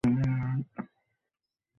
ইচ্ছা করলে চালের আড়তে থাকতে পারতাম।